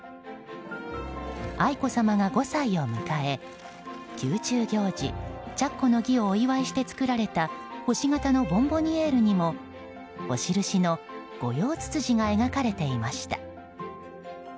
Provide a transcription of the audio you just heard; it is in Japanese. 愛子さまが５歳を迎え宮中行事、着袴の儀をお祝いして作られた星形のボンボニエールにもお印のゴヨウツツジが描かれていました。